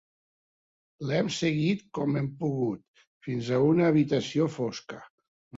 L'hem seguit com hem pogut fins a una habitació fosca.